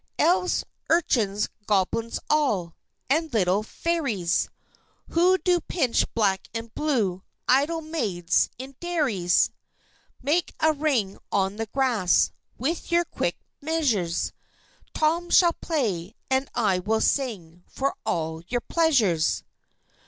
_ "_Elves, Urchins, Goblins all, and little Fairies, Who do pinch black and blue, idle maids in dairies, Make a ring on the grass, with your quick measures. Tom shall play, and I will sing, for all your pleasures.